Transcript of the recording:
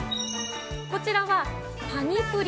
こちらは、パニプリ。